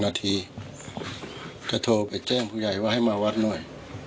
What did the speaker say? นาทีก็โทรไปแจ้งผู้ใหญ่ว่าให้มาวัดหน่อย